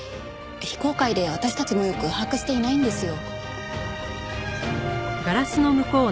非公開で私たちもよく把握していないんですよ。